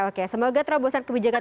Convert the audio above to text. oke semoga terobosan kebijakan